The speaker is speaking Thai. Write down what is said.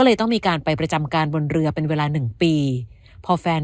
เลยต้องมีการไปประจำการบนเรือเป็นเวลาหนึ่งปีพอแฟน